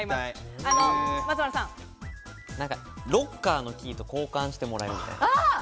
ロッカーのキーと交換してもらうみたいな。